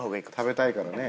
食べたいからね。